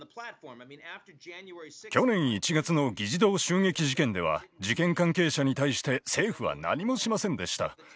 去年１月の議事堂襲撃事件では事件関係者に対して政府は何もしませんでした。